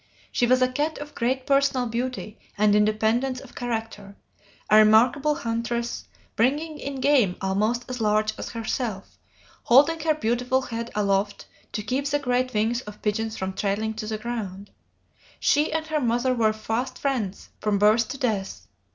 She was a cat of great personal beauty and independence of character a remarkable huntress, bringing in game almost as large as herself, holding her beautiful head aloft to keep the great wings of pigeons from trailing on the ground. She and her mother were fast friends from birth to death.